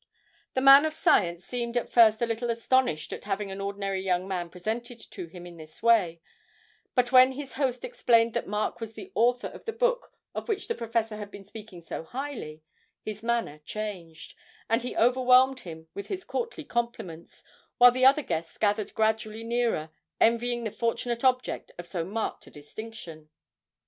The man of science seemed at first a little astonished at having an ordinary young man presented to him in this way, but when his host explained that Mark was the author of the book of which the professor had been speaking so highly, his manner changed, and he overwhelmed him with his courtly compliments, while the other guests gathered gradually nearer, envying the fortunate object of so marked a distinction.